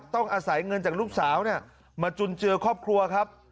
ต้องอาศัยเงินจากลูกสาวมาจุนเจือครอบครัวครับ